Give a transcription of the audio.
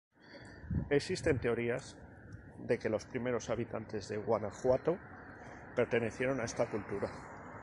Existen teorías de que los primeros habitantes de Guanajuato pertenecieron a esta cultura.